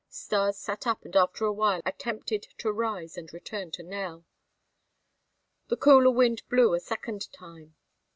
Stas sat up and after a while attempted to rise to return to Nell. The cooler wind blew a second time.